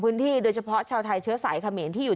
พื้นที่โดยเฉพาะชาวไทยเชื้อสายขมเหมีนที่อยู่